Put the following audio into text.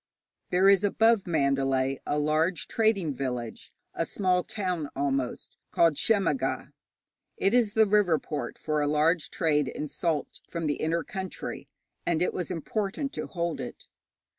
There is above Mandalay a large trading village a small town almost called Shemmaga. It is the river port for a large trade in salt from the inner country, and it was important to hold it.